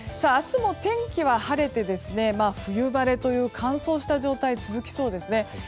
明日も天気は晴れて冬晴れという乾燥した状態が続きそうですね。